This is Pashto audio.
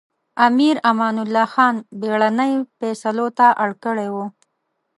امیر امان الله خان بېړنۍ فېصلو ته اړ کړی و.